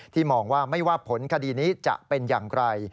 มองว่าไม่ว่าผลคดีนี้จะเป็นอย่างไร